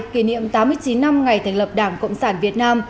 kỷ niệm tám mươi chín năm ngày thành lập đảng cộng sản việt nam